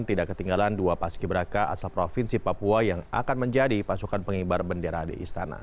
tidak ketinggalan dua paski beraka asal provinsi papua yang akan menjadi pasukan pengibar bendera di istana